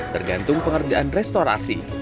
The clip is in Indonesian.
tergantung pengerjaan restorasi